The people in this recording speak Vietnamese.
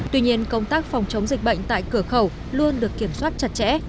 tuy nhiên công tác phòng chống dịch bệnh tại cửa khẩu luôn được kiểm soát chặt chẽ